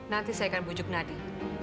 nanti saya akan bujuk nadi